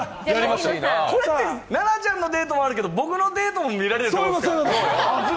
これって、奈々ちゃんのデートもだけど僕のデートも見られるってこと？